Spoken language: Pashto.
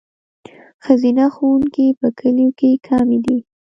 ښځینه ښوونکي په کلیو کې کمې دي.